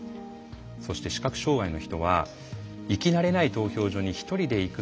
そして視覚障害の人は「行き慣れない投票所に１人で行くのが怖い」。